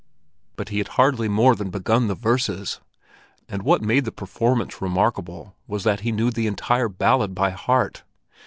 But he had hardly more than begun the verses, and what made the performance remarkable was that he knew the entire ballad by heart.